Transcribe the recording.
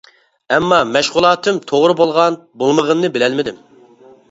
ئەمما مەشغۇلاتىم توغرا بولغان بولمىغىنىنى بىلەلمىدىم.